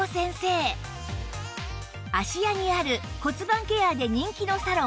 芦屋にある骨盤ケアで人気のサロン